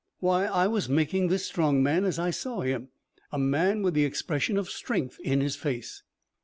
"Why, I was making this strong man as I saw him. A man with the expression of strength in his face."